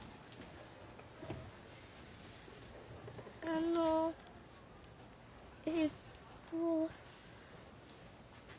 あのえっと。